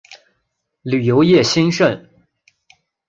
旅游业兴盛。